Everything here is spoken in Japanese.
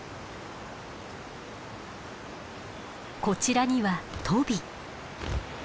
こちらにはトビ。